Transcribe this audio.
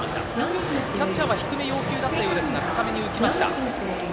キャッチャーは低め要求でしたが高めに浮きました。